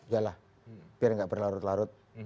jalah biar enggak berlarut larut